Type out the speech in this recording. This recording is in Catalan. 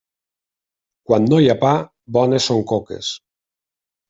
Quan no hi ha pa, bones són coques.